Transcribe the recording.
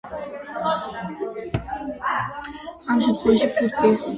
ამ შემთხვევაში ფუტკრის ოჯახის შენარჩუნებაზე არ ზრუნავდნენ.